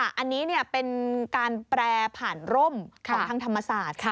อันนี้เป็นการแปรผ่านร่มของทางธรรมศาสตร์ค่ะ